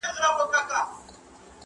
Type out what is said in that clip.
نن د اباسین د جاله وان حماسه ولیکه،